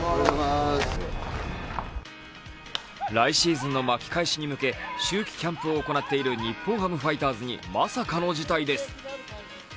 来シーズンの巻き返しに向け秋季キャンプを行っている日本ハムファイターズにまさかの事態です。